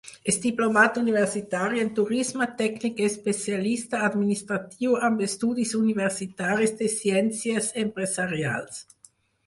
És diplomat universitari en Turisme, tècnic especialista administratiu amb estudis universitaris de ciències empresarials.